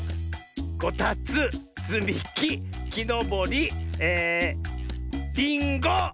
「こたつつみききのぼり」え「りんご」！